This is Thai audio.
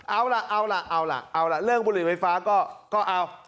เอาล่ะเอาล่ะเอาล่ะเอาล่ะเรื่องบุหรี่ไฟฟ้าก็เอา